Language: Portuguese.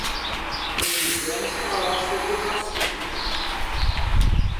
Precisamos falar sobre o racismo